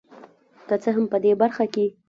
که څه هم په دې برخه کې